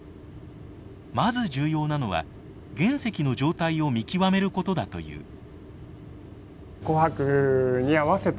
まず重要なのは原石の状態を見極めることだという。